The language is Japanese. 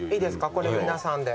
これ皆さんで。